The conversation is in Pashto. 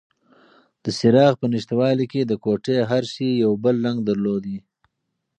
د څراغ په نشتوالي کې د کوټې هر شی یو بل رنګ درلود.